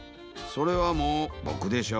それはもうボクでしょう。